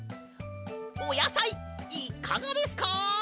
おやさいいかがですか？